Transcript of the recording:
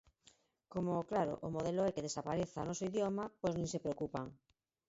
Como, claro, o modelo é que desapareza o noso idioma, pois nin se preocupan.